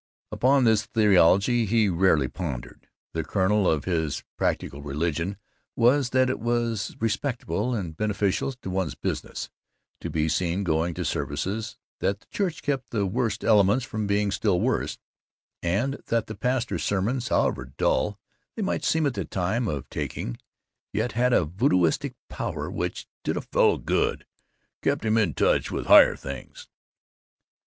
Upon this theology he rarely pondered. The kernel of his practical religion was that it was respectable, and beneficial to one's business, to be seen going to services; that the church kept the Worst Elements from being still worse; and that the pastor's sermons, however dull they might seem at the time of taking, yet had a voodooistic power which "did a fellow good kept him in touch with Higher Things."